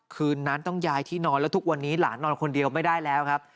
คืนนั้นต้องย้ายที่นอนแล้วทุกวันนี้หลานนอนคนเดียวไม่ได้แล้วครับ